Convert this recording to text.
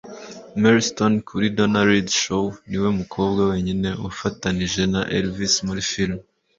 Mary Stone kuri "Donna Reed Show", niwe mukobwa wenyine wafatanije na Elvis muri film